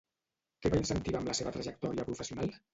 Què va incentivar amb la seva trajectòria professional?